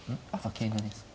桂馬ですか。